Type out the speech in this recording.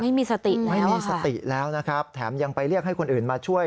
ไม่มีสติแล้วไม่มีสติแล้วนะครับแถมยังไปเรียกให้คนอื่นมาช่วย